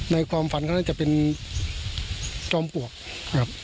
ความฝันเขาน่าจะเป็นจอมปลวกครับ